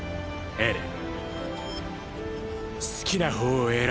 エレン！！